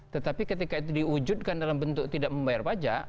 tetapi ketika itu diwujudkan dalam bentuk tidak membayar pajak